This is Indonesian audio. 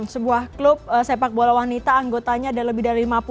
sebuah klub sepak bola wanita anggotanya ada lebih dari lima puluh